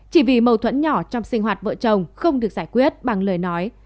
chỉ vì mâu thuẫn nhỏ trong sinh hoạt vợ chồng không được giải quyết bằng lời nói